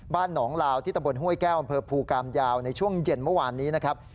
บ้านหนองลาวที่ตะบนห้วยแก้วบภูกามยาวในช่วงเย็นเมื่อวานนี้